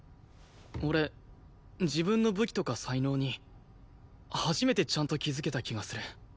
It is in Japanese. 俺自分の武器とか才能に初めてちゃんと気づけた気がする。